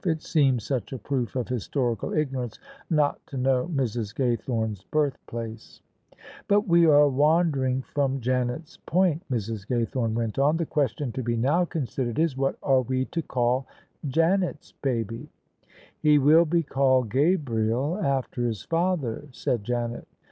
It seemed such a proof of historical ignorance not to know Mrs. Gaythome's birthplace. , OF ISABEL CARNABY " But we are wandering from Janet's point," Mrs. Gay thome went on. " The question to be now considered is, what are we to call Janet's baby? "" He will be called Gabriel after his father," said Janet.